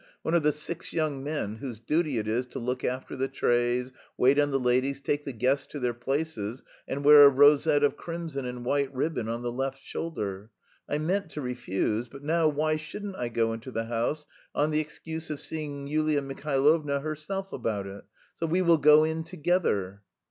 one of the six young men whose duty it is to look after the trays, wait on the ladies, take the guests to their places, and wear a rosette of crimson and white ribbon on the left shoulder. I meant to refuse, but now why shouldn't I go into the house on the excuse of seeing Yulia Mihailovna herself about it?... So we will go in together."